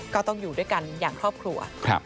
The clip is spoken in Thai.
ก็ต้องอยู่ด้วยกันอย่างครอบครัว